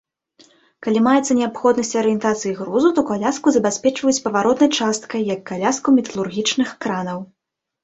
Калі маецца неабходнасць арыентацыі грузу, то каляску забяспечваюць паваротнай часткай, як каляску металургічных кранаў.